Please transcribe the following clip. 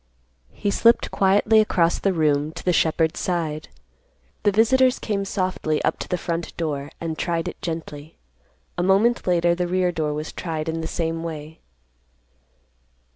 He slipped quietly across the room to the shepherd's side. The visitors came softly up to the front door, and tried it gently. A moment later the rear door was tried in the same way.